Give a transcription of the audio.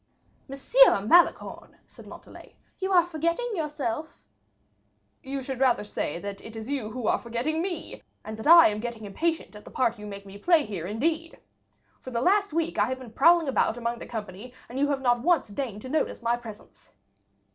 "Monsieur Malicorne," said Montalais, "you are forgetting yourself." "You should rather say that it is you who are forgetting me, and that I am getting impatient at the part you make me play here indeed! For the last week I have been prowling about among the company, and you have not once deigned to notice my presence."